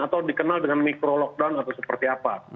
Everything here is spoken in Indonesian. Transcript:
atau dikenal dengan mikro lockdown atau seperti apa